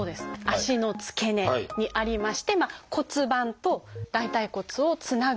足の付け根にありまして骨盤と大腿骨をつなぐ関節。